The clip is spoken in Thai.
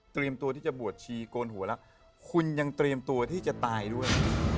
ตัวที่จะบวชชีโกนหัวแล้วคุณยังเตรียมตัวที่จะตายด้วย